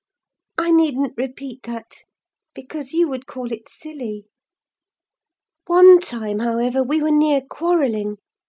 I needn't repeat that, because you would call it silly. "One time, however, we were near quarrelling.